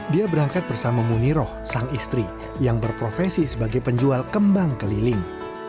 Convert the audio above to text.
dia berangkat bersama muniroh sang istri yang berprofesi sebagai penjual kembang keliling